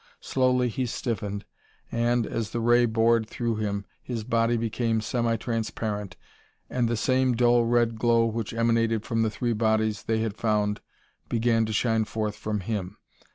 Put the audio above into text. Slowly he stiffened; and, as the ray bored through him, his body became semi transparent and the same dull red glow which emanated from the three bodies they had found began to shine forth from him.